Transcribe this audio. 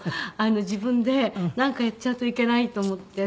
自分でなんかやっちゃうといけないと思って。